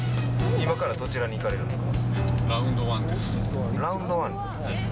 今からどちらに行かれるんですか？